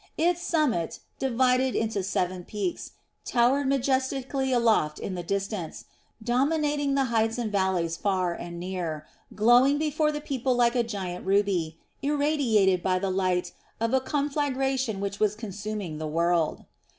Its summit, divided into seven peaks, towered majestically aloft in the distance, dominating the heights and valleys far and near, glowing before the people like a giant ruby, irradiated by the light of a conflagration which was consuming the world.